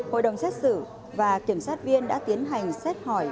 hội đồng xét xử và kiểm sát viên đã tiến hành xét hỏi